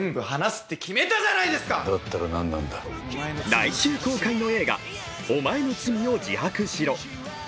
来週公開の映画「おまえの罪を自白しろ」。